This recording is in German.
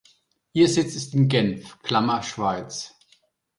Ihr Sitz ist in Genf (Schweiz).